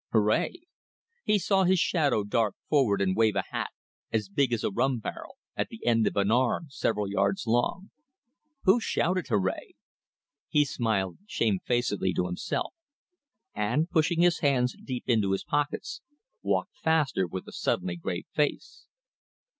Hooray! He saw his shadow dart forward and wave a hat, as big as a rum barrel, at the end of an arm several yards long. ... Who shouted hooray? ... He smiled shamefacedly to himself, and, pushing his hands deep into his pockets, walked faster with a suddenly grave face.